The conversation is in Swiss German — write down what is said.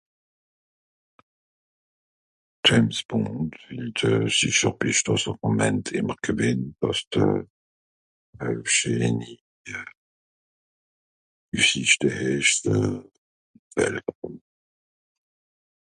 James Bond ùnd s'esch à bescht dàss àm Moment ìmmer gewenn àss de ... scheeni üssìschte esch euh ....